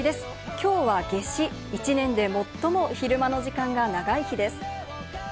きょうは夏至、１年で最も昼間の時間が長い日です。